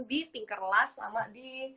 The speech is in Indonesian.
di tinkerlast sama di